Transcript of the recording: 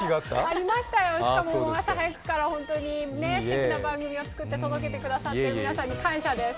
ありましたよ、しかも朝早くから本当にすてきな番組を作って届けてくださって皆さんに感謝です。